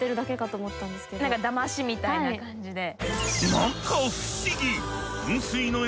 何かだましみたいな感じで。